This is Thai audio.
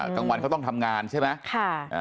กลางวันเขาต้องทำงานใช่ไหม